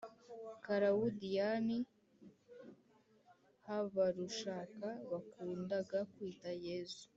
karawudiyani habarushaka, bakundaga kwita «yezu»,